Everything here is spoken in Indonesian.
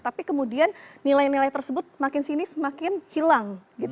tapi kemudian nilai nilai tersebut makin sini semakin hilang